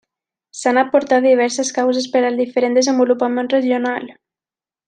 S'han aportat diverses causes per al diferent desenvolupament regional.